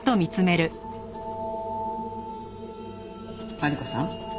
マリコさん。